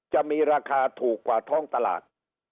จะมีราคาถูกกว่าท้องตลาด